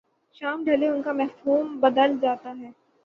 شام ڈھلے ان کا مفہوم بدل جاتا ہے۔